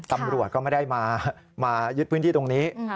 ตำรวจก็ไม่ได้มายึดพื้นที่ตรงนี้